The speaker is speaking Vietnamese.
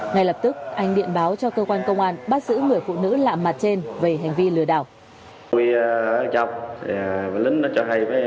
ngay lập tức anh điện báo cho cơ quan công an bắt giữ người phụ nữ lạ mặt trên về hành vi lừa đảo